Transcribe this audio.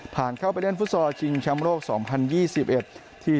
ผ่านเข้าไปเล่นฟุตสอร์ฟชิงชะเบชเชียร์๒๐๒๑